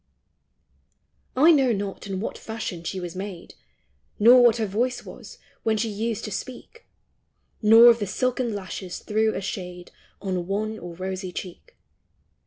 I know not in what fashion she was made, Nor what her voice was, when she used to speak, Nor if the silken lashes threw a shade On wan or rosy cheek.